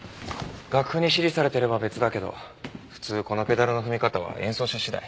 楽譜に指示されてれば別だけど普通このペダルの踏み方は演奏者次第。